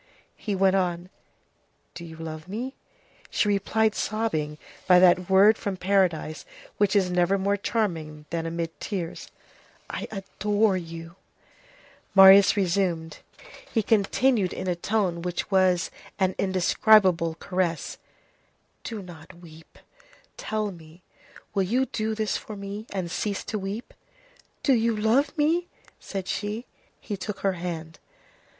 He went on:— "Do you love me?" She replied, sobbing, by that word from paradise which is never more charming than amid tears:— "I adore you!" He continued in a tone which was an indescribable caress:— "Do not weep. Tell me, will you do this for me, and cease to weep?" "Do you love me?" said she. He took her hand.